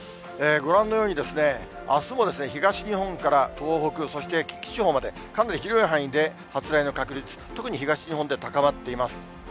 ご覧のように、あすも東日本から東北、そして近畿地方まで、かなり広い範囲で発雷の確率、特に東日本で高まっています。